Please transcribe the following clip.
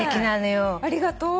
ありがとう。